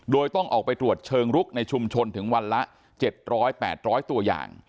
โดยต้องออกไปตรวจเชิงลุกในชุมชนถึงวันละ๗๐๐๘๐๐ตัวอย่าง